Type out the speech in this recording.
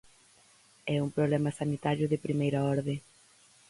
É un problema sanitario de primeira orde.